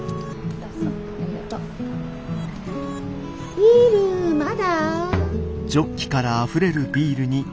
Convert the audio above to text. ビールまだ？